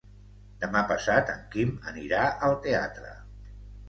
Demà passat en Quim anirà al teatre.